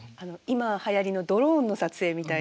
今はやりのドローンの撮影みたいな。